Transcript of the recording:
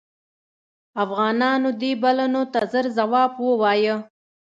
افغانانو دې بلنو ته ژر جواب ووایه.